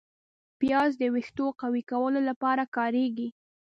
پیاز د ویښتو قوي کولو لپاره کارېږي